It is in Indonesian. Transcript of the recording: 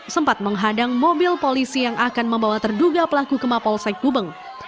sempat menghadang mobil polisi yang akan membawa terduga pelaku ke mapolsek gubeng